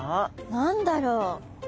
何だろう？